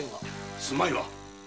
住まいは？